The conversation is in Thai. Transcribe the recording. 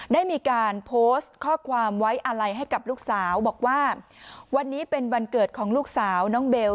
ได้มีการโพสต์ข้อความไว้อาลัยให้กับลูกสาวบอกว่าวันนี้เป็นวันเกิดของลูกสาวน้องเบล